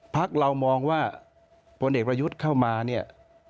พักเรามองว่าพลเอกประยุทธ์เข้ามาเนี่ย